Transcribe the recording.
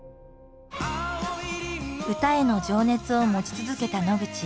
歌への情熱を持ち続けた野口。